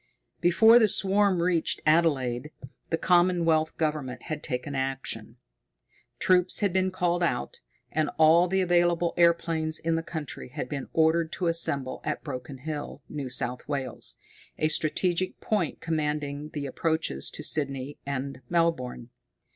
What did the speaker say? Before the swarm reached Adelaide the Commonwealth Government had taken action. Troops had been called out, and all the available airplanes in the country had been ordered to assemble at Broken Hill, New South Wales, a strategic point commanding the approaches to Sydney and Melbourne.